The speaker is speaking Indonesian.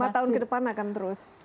lima tahun ke depan akan terus